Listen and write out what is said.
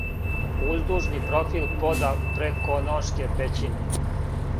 Уздужни профил пода Преконошке Пећине